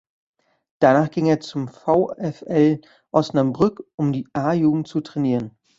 Danach ging er zum VfL Osnabrück um die A-Jugend zu trainieren.